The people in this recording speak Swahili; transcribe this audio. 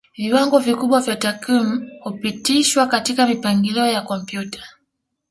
Viwango vikubwa vya takwimu hupitishwa katika mipangilio ya kompyuta